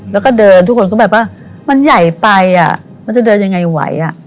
แล้วก็เดินทุกคนก็แบบว่ามันใหญ่ไปอ่ะมันจะเดินยังไงไหวอ่ะ